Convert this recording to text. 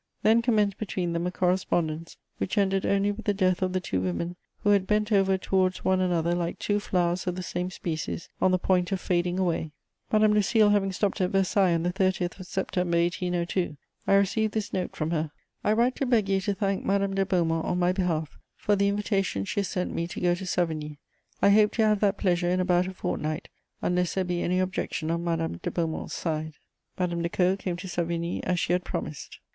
Then commenced between them a correspondence which ended only with the death of the two women who had bent over towards one another like two flowers of the same species on the point of fading away. Madame Lucile having stopped at Versailles on the 30th of September 1802, I received this note from her: "I write to beg you to thank Madame de Beaumont on my behalf for the invitation she has sent me to go to Savigny. I hope to have that pleasure in about a fortnight, unless there be any objection on Madame de Beaumont's side." Madame de Caud came to Savigny as she had promised.